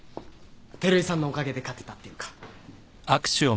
照井さんのおかげで勝てたっていうか。